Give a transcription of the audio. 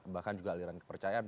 bahkan juga aliran kepercayaan